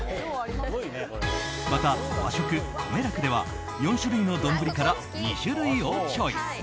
また、和食こめらくでは４種類の丼から２種類をチョイス。